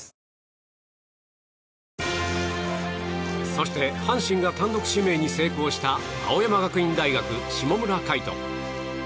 そして、阪神が単独指名に成功した青山学院大学、下村海翔。